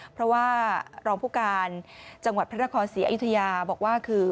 เพราะว่ารองผู้การจังหวัดพระนครศรีอยุธยาบอกว่าคือ